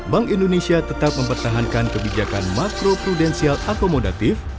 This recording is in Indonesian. bank indonesia tetap mempertahankan kebijakan makro prudensial akomodatif